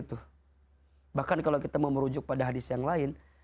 bahkan kalau kita mau merujuk pada hadis yang lain